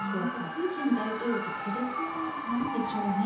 プーチン大統領って孤独なんでしょうね。